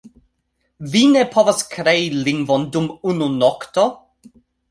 Vi ne povas krei lingvon dum unu nokto.